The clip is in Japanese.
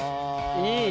いいね。